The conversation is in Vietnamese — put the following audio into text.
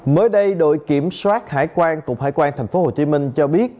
mới đây đội kiểm soát hải quan cục hải quan tp hcm cho biết